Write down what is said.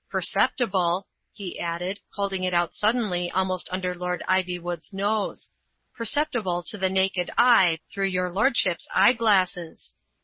Perceptible," he added, holding it out suddenly almost under Lord Ivywood's nose. "Perceptible to the naked eye through your lordship's eyeglasses."